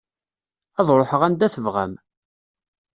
Ad ruḥeɣ anda tebɣam.